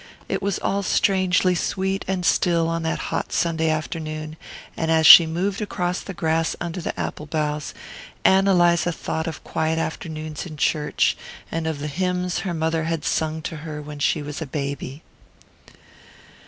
It was all strangely sweet and still on that hot Sunday afternoon, and as she moved across the grass under the apple boughs Ann Eliza thought of quiet afternoons in church, and of the hymns her mother had sung to her when she was a baby.